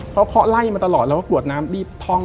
เพราะเขาไล่มาตลอดแล้วก็กรวดน้ำรีบท่อง